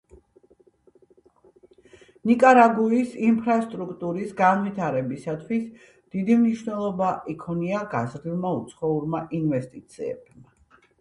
ნიკარაგუის ინფრასტრუქტურის განვითარებისთვის დიდი მნიშვნელობა იქონია გაზრდილმა უცხოურმა ინვესტიციებმა.